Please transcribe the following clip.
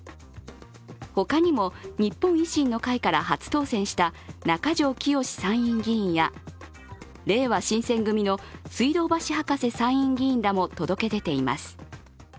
他にも、日本維新の会から初当選した中条きよし参院議員や、れいわ新選組の水道橋博士参院議員らも届け出ています。